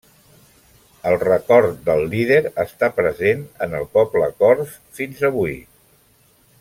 El record del líder està present en el poble cors fins avui.